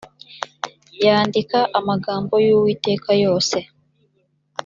yandika amagambo y uwiteka yose